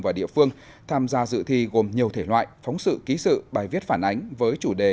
và địa phương tham gia dự thi gồm nhiều thể loại phóng sự ký sự bài viết phản ánh với chủ đề